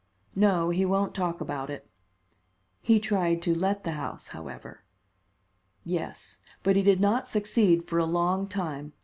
"No; he won't talk about it." "He tried to let the house, however." "Yes, but he did not succeed for a long time.